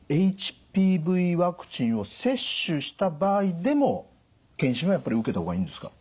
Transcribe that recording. あのＨＰＶワクチンを接種した場合でも検診はやっぱり受けた方がいいんですか？